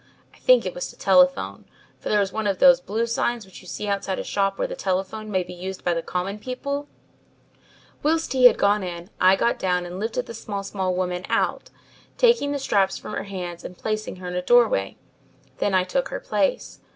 I think it was to telephone, for there was one of those blue signs which you can see outside a shop where the telephone may be used by the common people. Whilst he had gone in I got down and lifted the small small woman out, taking the straps from her hands and placing her in a doorway. Then I took her place.